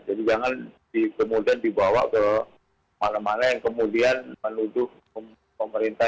jadi jangan kemudian dibawa ke mana mana yang kemudian menutup pemerintah